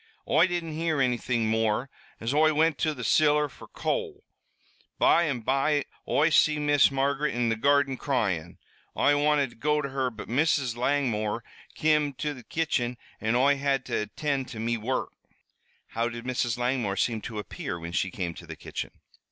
"Oi didn't hear anything more, as Oi wint to the ciller fer coal. By an' by Oi see Miss Margaret in the garden cryin'. Oi wanted to go to her, but Mrs. Langmore kim to the kitchen an' Oi had to attind to me wurruk." "How did Mrs. Langmore seem to appear when she came to the kitchen?"